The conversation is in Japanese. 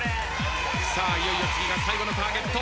いよいよ次が最後のターゲット。